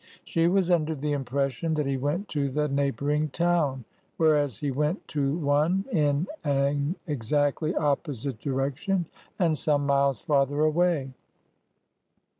She was under the impression that he went to the neighboring town, whereas he went to one in an exactly opposite direction, and some miles farther away.